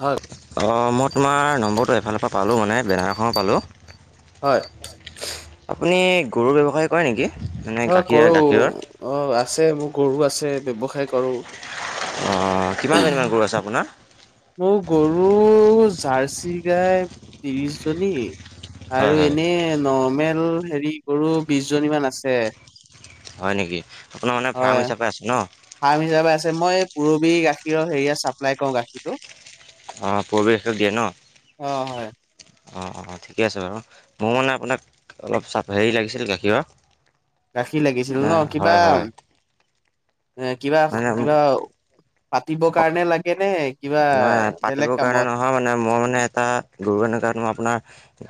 হয় অঁ মই তোমাৰ নম্বৰটো এফালৰ পৰা পালোঁ মানে বেনাৰখনত পালোঁ। হয়, আপুনি গৰুৰ ব্যৱসায় কৰে নিকি? অ', কৰোঁ অ', আছে মোৰ গৰু আছে, ব্যৱসায় কৰোঁ। অ', কিমানজনীমান গৰু আছে আপোনাৰ? মোৰ গৰু জাৰ্চি গাই ত্ৰিৰিচজনী। হয় আৰু হয় এনে নৰ্মেল হেৰি গৰু বিচজনী মান আছে। হয়, নেকি? আপোনাৰ মানে হয়, ফাৰ্ম হিচাপে আছে ন? ফাৰ্ম হিচাপে আছে, মই পুৰবী গাখীৰৰ হেৰিয়াত চাপ্লাই কৰোঁ গাখীৰটো। অ', পুৰৱী গাখীৰক দিয়ে ন? অ', হয়। অ', অ', ঠিকে আছে বাৰু মোৰ মানে আপোনাক অলপ চাপ হেৰি লাগিছিল গাখীৰৰ। গাখীৰ লাগিছিল ন? কিবা হয় হয় এ, কিবা, কিবা মানে পাতিব কাৰণে লাগেনে? নাই, পাতিবৰ কাৰণে নহয়, মানে মই মানে এটা গৰু [unintelligible] মই আপোনাৰ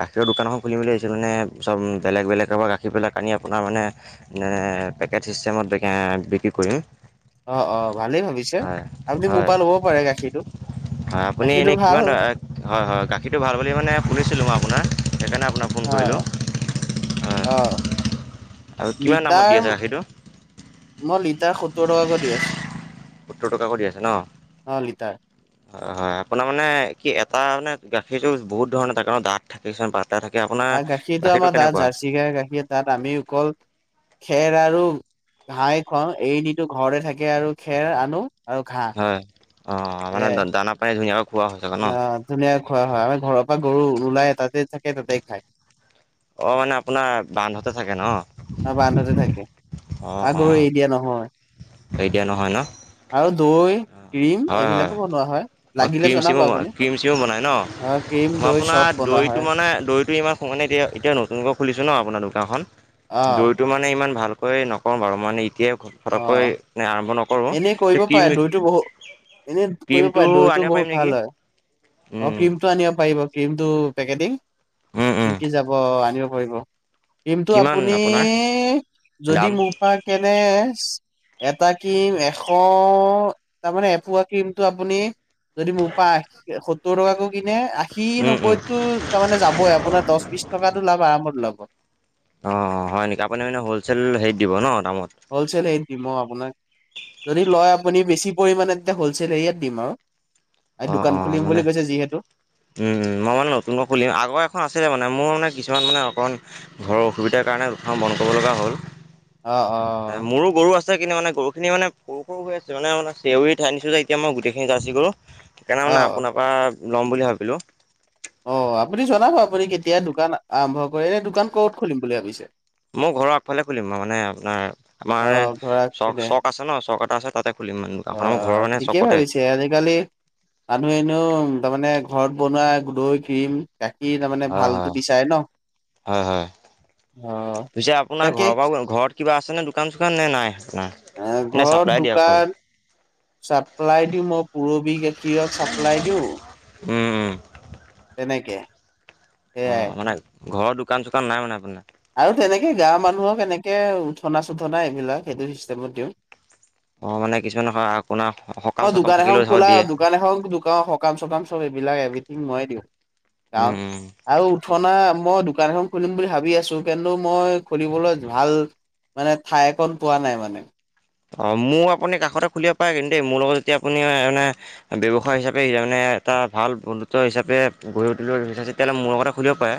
গাখীৰৰ দোকান‌ এখন খুলিম বুলি ভাবিছোঁ, মানে চব বেলেগ, বেলেগকৰ পৰা গাখীৰ পেলাই আনি আপোনাৰ মানে মে পেকেট চিষ্টেমত [unintelligible] বিক্ৰী কৰিম। অ', অ', ভালেই ভাবিছে, হয় আপুনি মোৰ হয় পৰা ল'ব পাৰে গাখীৰটো। হয় আপুনি গাখীৰটো এনেই ভাল কিমান হয় হয় গাখীৰটো ভাল বুলি মানে শুনিছিলোঁ মই আপোনাৰ সেইকাৰণে আপোনাক ফোন কৰিলোঁ অ', হয়। অ'। আৰু কিমান দামত দি লিটাৰ আছে গাখীৰটো মই লিটাৰ সত্তৰ টকাকৈ দি আছোঁ। সোত্তৰ টকা কৰি দি আছে ন। লিটাৰ। হয় হয় আপোনাৰ মানে কি এটা মানে গাখীৰটো বহুত ধৰণৰ থাকে ডাঠ থাকে পাতল আৰু গাখীৰটো আমাৰ তাত জাৰ্চি গ গাখীৰ তাত আমি অকল খেৰ আৰু ঘাহ খোৱাওঁ এইৰিনিদিও ঘৰতে থাকে আৰু খেৰ আনো আৰু ঘা। হয় অ মানে দানা পানী ধুনীয়া আহ ধুনীয়াক খোৱা হয় আমাৰ ঘৰৰ পৰা গৰু ওলাই টাতে থাকে তাতে খায় অ মানে আপোনাৰ বান্ধতে থাকে ন? অ বান্ধাতে থাকে আগৰু এৰি দিয়া নহয়। এৰি দিয়া নহয় ন? আৰু দৈ ক্ৰীম হয় হয় এইবিলাকো বনোৱা হয় লাগিলে ক্ৰীম জনাব চম আপুনি ক্ৰীম চিম বনাই ন? অ ক্ৰীম মই দৈ আপোনাৰ চব বনোৱা দৈটো হয় মানে দৈটো ইমান সোনে এতিয়া এতিয়া নতুনকৈ খুলিছে ন আপোনাৰ দোকানখন? অ দৈতটো মানে ইমান ভালকৈ নকওঁ বাৰু মানে এতিয় অ সৰককৈ আৰম্ভ নকৰো কৰিব কি পাৰে দৈটো বহ এনেই কৰিব পাৰে দৈতটো পাৰিম বহুত নেকি ভাল হয় অ উম ক্ৰীমতটো আনিব পাৰিব। ক্ৰীমটো পেকেটিং উম উম বিকি যাব আনিব পাৰিব। কিমটো কিমান আপুনি আপোনাৰ যদি দাম মোৰ পৰা কেনে এটা ক্ৰীম এশ তাৰমানে এপুৱোৱা ক্ৰীমটো আপুনি যদি মোৰ পায় সত্তৰ টকা কো কিনে আশী উম উম নব্বৈটো তাৰমানে যাবই আপোনাৰ দশ, বিশ টকাটো লাভ আৰামত ল'ব। অ', হয় নেকি আপুনি মানে হ'লচেল হেৰিত দিব ন'। দামত হ'লচেল হেৰিত দিম অ', আপোনাক যদি লয় আপুনি বেছি পৰিমাণে তয়া হ'লচেল এৰিয়াত দিম আৰু। অ', দোকান অ', খুলিম মানে বুলি কৈছে যিহেতু উম, মই মানে নতুনকৈ খুলিম আগৰ এখন আছিলে মান এ মানে মোৰ মানে কিছুমান মানে অকণ ঘৰৰ অসুবিধাৰ কাৰণে উসান বন্ কৰিব লগা হ'ল। অ তা মোৰো গৰু আছে কিন্তু মানে সৰুখিনি মানে সৰু সৰু হৈ আছে মানে [unintelligible] নিছো যেতিয়া মই গোটেইখিনি জাৰ্চি গৰু। সেইকাৰণে অ মানে অ আপোনাৰ পৰা ল'ম বুলি ভাবিলোঁ। অ', আপুনি জনাব আপুনি কেতিয়া দোকান আৰম্ভ কৰে, এনে দোকান ক'ত খুলিম বুলি ভাবিছে? মোৰ ঘৰৰ আগফালে খুলিম মানে আপোনাৰ অ আমাৰ এ ধৰা পিনে চ-চক আছে ন, চক এটা আছে তাতে খুলিম মানে দোকানখন অ' আমাৰ ঘৰৰ অ' মানে ঠিকেই চকতে ভাবিছে আজিকালি মানুহ এনেি তাৰমানে ঘৰত বনোৱা দৈ, ক্ৰীম, গাখীৰ তাৰমানে হয়, ভালতো হয়, বিচাৰে ন। হয়, হয়। অ পিছে আপোনাৰ তাকে ঘৰৰ পৰা ঘৰত কিবা আছে নে, দোকান চোকান নে নাই? আপোনাৰ আহ, নে ঘৰত চাপ্লাই দিয়ে অকল দোকান চাপ্লাই দিওঁ, মই পুৰবি গাখীৰক চাপ্লাই দিওঁ। উম, উম। তেনেকে সেয়াই। অ', মানে ঘৰৰ দোকান চোকান নাই মানে আপোনাৰ। আৰু তেনেকে গাঁৱৰ মানুহক এনেকৈ উঠনা চুঠনা এইবিলাক সেইটো চিষ্টেমত দিওঁ। অ', মানে কিছুমান হয় অ', দোকান এখন খোলা দোকান এখনোকান সকাম চকাম চব এইবিলাক এভথিং মই দিওঁ। উম [unintelligible] উম আৰু, ঠনা মই দোকান এখন খুলিম বুলি ভাবি আছো। কিন্তু মই খুলিবলৈ ভাল মানে ঠাইকণ পোৱা নাই মানে। অ' মোৰ আপুনি কাষতে খুলিব পাৰে, কিন্তু দেই মোৰ লগত যেতিয়া আপুনি এ মানে ব্যৱসায় হিচাপে মানে এটা ভাল বন্ধুত্ব হিচাপে গঢ়ি উঠিব বিচাৰিছে, তেতিয়াহ'লে মোৰ লগতে খুলিব পাৰে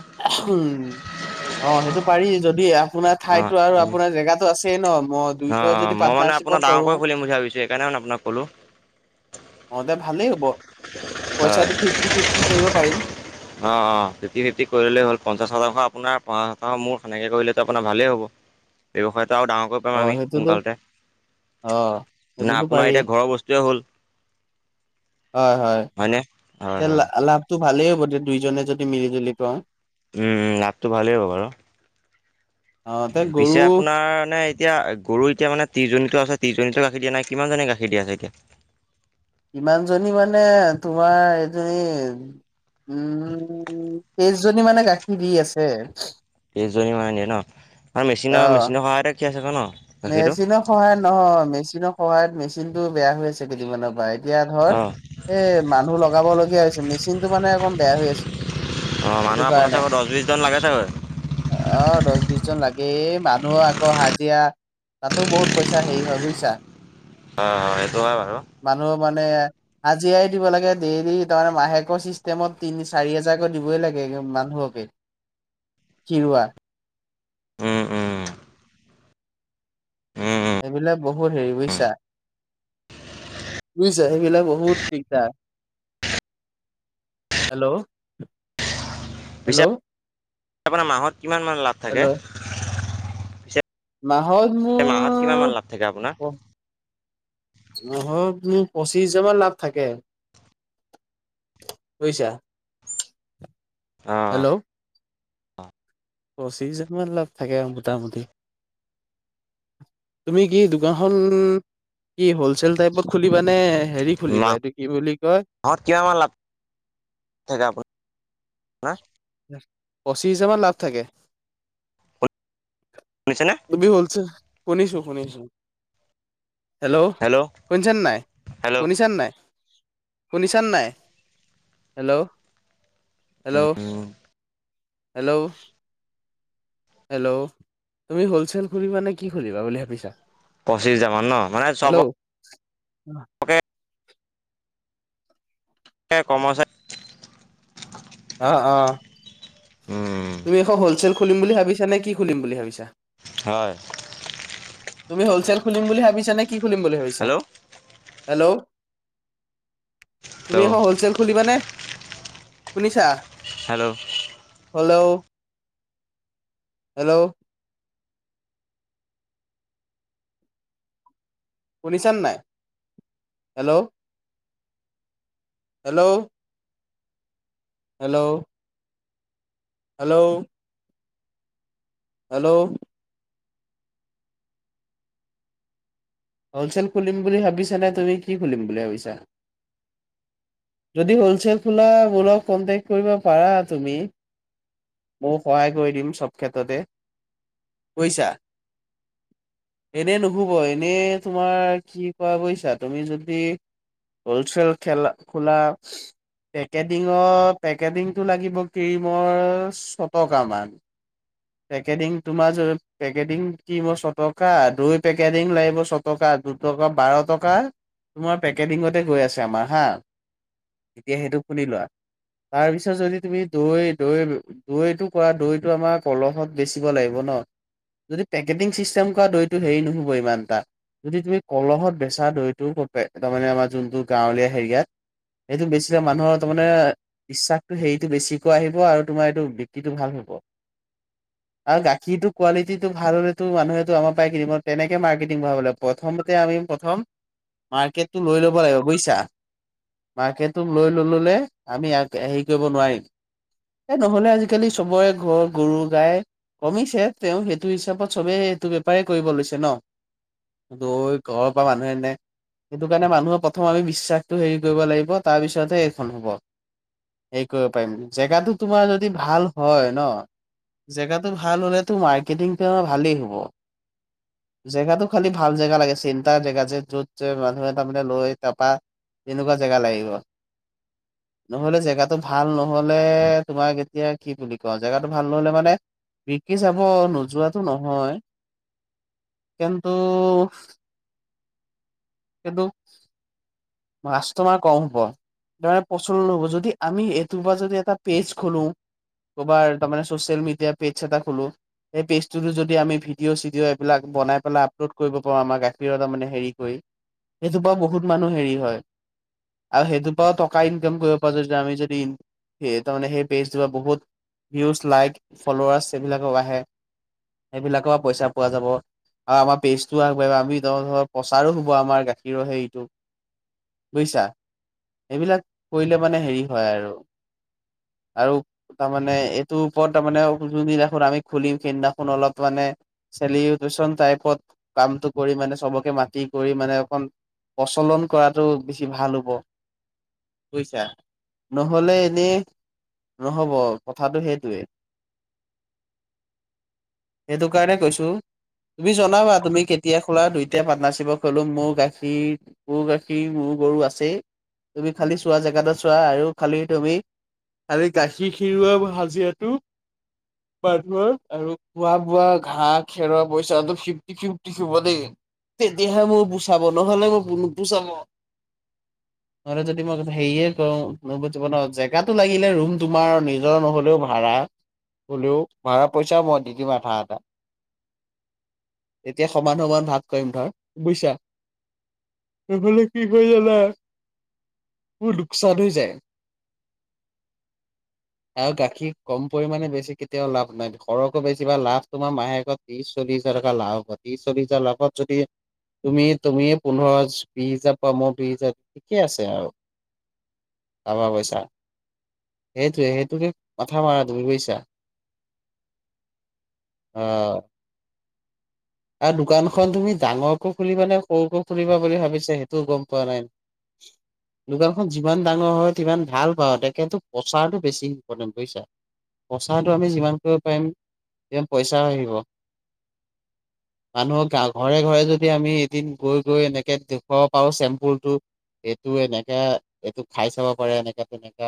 উম, অ' সেইটো পাৰি, যদি আপোনাৰ অ ঠাইতো আৰু আপোনাৰ জেগাতো আছ অ' মই মানে আপোনাৰ কৰো ডাঙৰকৈ খুলিম বুলি ভাবিছো, সেইকাৰণে মানে আপোনাক কলো। অ' দে ভালেই হ'ব। হয়, পইচাটো ফিফটি ফিফটি কৰিব পাৰিম অ' অ' তেতি-নেতি কৰিলে হল পঞ্চাশ শতাংশ আপোনাৰ পঞ্চা শতংশ মোৰ সেনেকে কৰিলেটো আপোনাৰ ভালেই হ'ব, ব্যৱসায়টো আৰু ডাঙৰ অ [unintelligible] আমি সেইটোতো সোনকালতে। অ না সেইটোতো আপোনাৰ পাৰি এতিয়া, ঘৰৰ বস্তুৱে হ'ল। হয় হয়নে? হয়, হয়! তো ভালেই হ'ব, দে দুইজনে যদি মিলি-জুলি পাওঁ। উম, লাভটো ভালেই হ'ব বাৰু। অ তে পিছে, গৰু আপোনাৰ মানে, এতিয়া, গৰু এতিয়া মানে, ত্ৰিশজনীতো আছে। ত্ৰিজনীতো গাখীৰ দিয়া নাই, কিমানজনী গাখীৰ দিয়া আছে, এতিয়া? কিমানজনী মানে, তোমাৰ এজনী। উম, তেইশজনী মানে গাখীৰ দি আছে। তেইশজনী মানে, দিয়ে ন'? আৰু অ মেচিনৰ, মেচিনৰ সহায়তে খিয়াইছে ক' ন'? গাখীৰটো মেচিনৰ সহায়ত নহয়। মেচিনৰ সহায়ত, মেচিনটো বেয়া হৈ আছে, কেইদিনমানানৰ পৰা। এতিয়া ধৰ, অঁ এই মানুহ লগাব লগীয়া হৈছে। মেচিনটো মানে, অকণ বেয়া হৈ আছে। অ'! সেইটো মানুহ আপোনাৰ কাৰণে চাগৈ, দহ-বিশজন লাগে চাগে? অ'! দহ-বিশজন লাগ এই, মানুহ আকৌ, হাজিৰা। তাতো, বহুত পইচা হেৰি হয়, বুজিছা! হয়, হয়! সেইটো হয় বাৰু। মানুহৰ মানে, হাজিৰাাই দিব লাগে, ডেইলি। তাৰমানে, মাহেকৰ চিষ্টেমত তিনি-চাৰি হাজাৰকৈ দিবই লাগে। [unintelligible] মানুহকে। [inaudible] কি ৰোৱা? উম, উম। উম উম এইবিলাক, বহুত সেৰি উম। বুজিছা! বুঁজিছা? সেইবিলাক বহুত দিগদাৰ! হেল্ল'? পিছে হেল্ল' আপোনাৰ মাহত কিমান মান লাভ থাকে? হেল্ল' পিছে মাহত মাহত কিমান মান লাভ থাকে আপোনাৰ মোৰ অ মাহত মি পঁচিছ হাজাৰমান লাভ থাকে। বুইছা, অঁ হেল্ল' পঁচিশজা মান লাভ থাকে মোটামুটি। তুমি কি দোকানখনন কি হলচেল টাইপত খুলিবানে মাহ মাহত কিমান মান লাভ থাকে আপো হা? পঁচিশ হাজাৰ মান লাভ থাকে। শুনিছেনে তুমি হলছে, শুনিছো, শুনিছো। হেল্ল' শুনিছানে নাই? হেল্ল' শুনিছানে নাই? শুনিছান নাই? হেল্ল' হেল্ল' হেল্ল' হেল্ল' তুমি হলচেল খুলিবা নে কি খুলিবা বুলি ভাবিছা? পঁচিছ হাজাৰ মান ন মানে চবত আহ। এ কৰ্মচায়ী অহ অহ। উম তুমি এখ হলচেল খুলিম বুলি ভাবিছা নে কি খুলিম বুলি ভাবিছা? হয়। তুমি হলচেল খুলিম বুলি ভাবিছা নে কি খুলিম বুলি ভাবিছা? হেল্ল' হেল্ল' তুমি হেল্ল' এখন হলচেল খুলিবানে? শুনিছা? হেল্ল' হেল্ল হেল্ল' শুনিছানে নাই hello hello hello hello hello হলচেল খুলিম বুলি ভাবিছা নে তুমি কি খুলিম বুলি ভাবিছা যদি হোলচেল খোলা মোৰ লগত কন্টেক্ট কৰিব পাৰা তুমি ময়ো সহায় কৰি দিম চব ক্ষেত্ৰতে বুইছা এনে নুশুব এনে তোমাৰ কি কোৱা বৈছা তুমি যদি হলচেল খেলা খোলা পেকেটিঙৰ পেকেটিঙটো লাগিব ক্ৰীমৰ ছটকামান পেকেটিঙ তোমাৰ, পেকেজিং ক্ৰিম ছটকা দৈ পেকেটিং লাগিব ছ টকা দুটকা বাৰ টকা তোমাৰ পেকেজিঙতে গৈ আছে আমাৰ হা তেতিয়া সেইটো শুলি লোৱা তাৰ পিছত যদি তুমি দৈ দৈ দৈটো কৰা দৈটো আমাৰ কলহত বেচিব লাগিব ন যদি পেকেটিং চিষ্টেম কৰা দৈটো হেৰি নুহব ইমানটা যদি তুমি কলহত বেচা দৈটোও কপে তাৰমানে আমাৰ যোনটো গাঁৱলীয়া হেৰিয়াত এইটো বেছিভাগ মানুহৰ তাৰমানে বিশ্বাসটো হেৰিটো বেছিকৈ আহিব আৰু তোমাৰ এইটো বিক্ৰিটো ভাল হব [inaudible] আৰু গাখীৰটো কোৱালিটিটো ভাল হলেতো মানুহেতো আমাৰ পাই কিনিব তেনেকে মাৰ্কেটিং বহাব অলপ প্ৰথমতে আমি প্ৰথম মাৰ্কেটটো লৈ ল'ব লাগিব বুজিছা। মাৰ্কেট লৈ ল'লে আমিয় আহ হেৰি কৰিব নোৱাৰিম। এই নহ'লে আজিকালি চবৰে ঘৰৰ গৰু গাই কমিছে, তেওঁ সেইটো হিচাপত চবেই এইটো বেপাৰেই কৰিব লৈছে ন। দৈ ঘৰৰ পৰা মানুহে এনে সেইটো কাৰণে মানুহে প্ৰথম আমি বিশ্বাসটো হেৰি কৰিব লাগিব। তাৰপিছতহে এইখন হ'ব হেৰি কৰিব পাৰিম, জেগাটো তোমাৰ যদি ভাল হয় ন। জেগাতটো ভাল হলেতো মাৰ্কেটিং তোৰ ভালেই হ'ব। জেগাতটো খালি ভাল জেগা লাগে চিন্তাৰ জেগা যে য'ত মে তাৰমানে লৈ তাৰপা তেনেকুৱা জেগা লাগিব। [unintelligible] নহ'লে, জেগাতটো ভাল নহ'লে তোমাক এতিয়া কি বুলি কওঁ জেগাটো ভাল নহ'লে মানে। বিকি যাব নোযোৱাতটো নহয়। কিন্তু। কিটো মাছটো মাৰ কম হ'ব। ধৰা প্ৰচন নহ'ব যদি আমি এইটো পৰা যদি এটা পেজ খোলোঁ। ক'ৰবাৰ তাৰমানে ছ'চিয়েল মিডিয়া পেজে এটা খোলোঁ। সেই পেজটোতো যদি আমি ভিডিঅ' চিডিঅ' এইবিলাক বনাই পেলাই আপলোড কৰিব পাৰোঁ। আমাৰ গাখীৰৰ তাৰমানে হেৰি কৰি সেইটোপৰা বহুত মানুহ হেৰি হয়। আৰু সেইটোৰ পৰাও টকা ইনকাম কৰিব পৰা যায়। আমি যদি তাৰমানে সেই পেজটোৰ পৰা বহুত ভিউজ, লাইক, ফলৌৱাৰছ এইবিলাকো বাঢ়ে। সেইবিলাকৰ পৰাও পইচা পোৱা যাব আৰু আমাৰ পেজটোও আগবাঢ়িব আমি ধৰ ধ প্ৰচাৰো আমাৰ গাখীৰৰ হেৰিটো বুজিছা এইবিলাক কৰিলে মানে হেৰি হয় আৰু আৰু তাৰমানে এইটো ওপৰত তাৰ মানে যোনদিনাখোন আমি খুলিম সেইদিনাখন অলপ মানে। [unintelligible] টাইপৰ কৰি চ'ব কে মানে মাতি কৰি মানে অকণ প্ৰচলন কৰাটো বেছি ভাল হ'ব। বুইছা নহ'লে এনেই নহ'ব কথাটো সেইটোৱে। [inaudible] সেইটো কাৰণে কৈছো, তুমি জানবা তুমি কেতিয়া খোলা দুইটাই পাতনাশ্বিপত। কলো মোৰ গাখীৰ মোৰ গাখীৰ মোৰ গৰু আছে। তুমি খালি চোৱা জেগাটো। আৰু গাখীৰ খিৰুৱা হাজিৰাটো [unintelligible] আৰু খোৱা বোৱা ঘাঁহ খেৰোৱা পইচাটো ফিফটি ফিফটি শুব দেই। তে দেহা মোৰ। [inaudible] নহ'লে যদি মই কওঁ, হেৰিয়ে কওঁ, কোনব জীৱনত জেগাতটো লাগিলে ৰুম তোমাৰ নিজৰ নহ'লেও ভাড়া। হোলও ভাড়া পইছা মই দি দিম আধা আধা। এতিয়া সমান সমান ভাগ কৰিম। সিফালে কি কয় জানা। মোৰ লোকচান হৈ যায়। [inaudible] আৰু গাখীৰ কম পৰিমণে বেছি কেতিয়াও লাভ নাই, সৰহকৈ বেছি বা লাভ তোমাৰ মাহেকত ত্ৰিশ চল্লিশ চল্লিছ হাজাৰটকা লাভ হয় চলি হাজাৰ লাভত যদি। তুমি তুমিয়ে পোন্ধৰ বিশ হাজাৰ পোৱা। মোৰ দুই হোজাৰ ঠিকে আছে আৰু। পাবা পইচা। সেইটোৱে সেইটোকে মাথা মাৰা তুমি বুজিছা। আহ। আৰু দোকানখন তুমি ডাঙৰকো খুলিবা নে সৰুকো খুলিবা বুলি ভাবিছা সেইটোও গ'ম পোৱা নাই। [inaudible] দোকানখন যিমান ডাঙৰ হয়, সিমান ভাল পাওঁ তাকে টো প্ৰচাৰটো বেছি ইম্পৰ্টেণ্ট বুজিছা। প্ৰচাৰ টো আমি যিমান কৰিব পাৰিম যিমান পইচাও আহিব। [inaudible] মানুহকা ঘৰে ঘৰে যদি আমি এদিন গৈ গৈ এনেকে দেখুৱাব পাৰো চেম্পুলটো এইটো এনেকাে এইটো খাই চাব পাৰে, এনেকা তেনেকা।